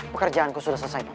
pekerjaanku sudah selesai paman